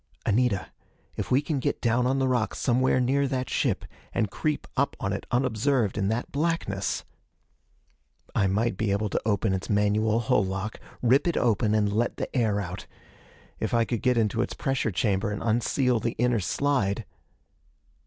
"Anita, if we can get down on the rocks somewhere near the ship, and creep up on it unobserved in that blackness...." I might be able to open its manual hull lock, rip it open and let the air out. If I could get into its pressure chamber and unseal the inner slide....